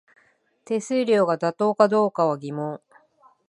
手数料が妥当かどうかは疑問